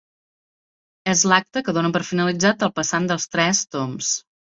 És l'acte que dóna per finalitzat el passant dels tres tombs.